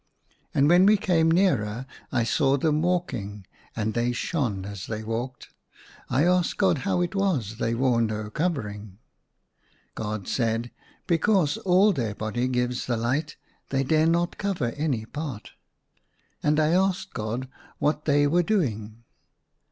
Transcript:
And when we came nearer I saw them walking, and they shone as they walked. I asked God how it was they wore no covering. God said, '* Because all their body gives the light ; they dare not cover any part. And I asked God what they were doinor.